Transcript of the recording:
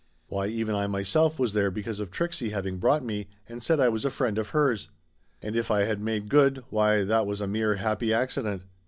Why even I myself was there because of Trixie having brought me and said I was a friend of hers. And if I had made good, why that was a mere happy accident.